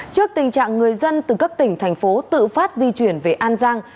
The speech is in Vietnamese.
trước tình trạng người dân từ các tỉnh thành phố tự phát di chuyển về an giang